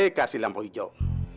mbak be kasih lampu hijau